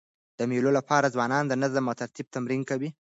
د مېلو له پاره ځوانان د نظم او ترتیب تمرین کوي.